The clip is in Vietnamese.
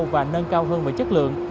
và nâng cao hơn về chất lượng